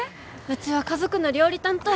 うちは家族の料理担当。